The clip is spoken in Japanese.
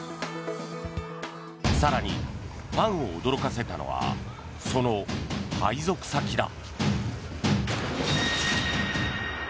更に、ファンを驚かせたのはその配属先だ。